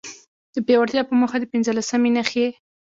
د پياوړتيا په موخه، د پنځلسمي ناحيي